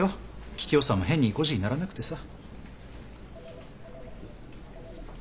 桔梗さんも変に意固地にならなくてさ。